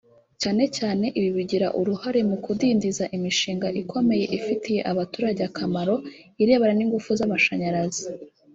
cyane cyane ibi bigira uruhare mu kudindiza imishinga ikomeye ifitiye abaturage akamaro irebana n’ingufu z’amashanyarazi